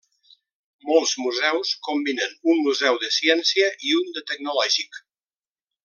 Molts museus combinen un museu de ciència i un de tecnològic.